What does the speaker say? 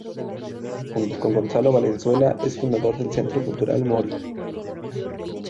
Junto con Gonzalo Valenzuela, es fundador del Centro Cultural Mori.